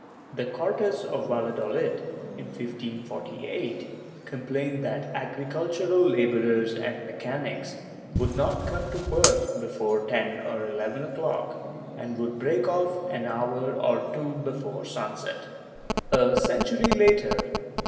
^ The Cortes of Valladolid, in 1548, complain that agricultural laborers and mechanics would not come to work before 10 or 11 o'clock, and would break off an hour or two before sunset. A century later.